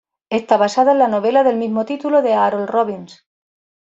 Está basada en la novela de mismo título, de Harold Robbins.